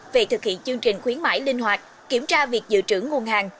về thực hiện chương trình khuyến mãi linh hoạt kiểm tra việc dự trữ nguồn hàng